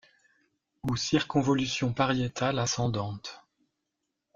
Ou circonvolution pariétale ascendante.